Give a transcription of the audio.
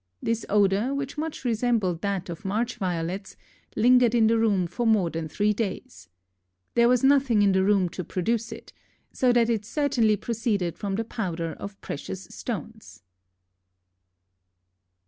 This odor, which much resembled that of March violets, lingered in the room for more than three days. There was nothing in the room to produce it, so that it certainly proceeded from the powder of precious stones.